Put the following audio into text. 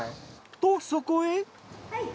とそこへ。